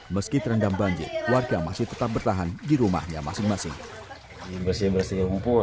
meski terendam banjir warga masih tetap bertahan di rumahnya masing masing bersih bersih humpur